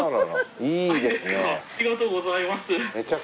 ありがとうございます。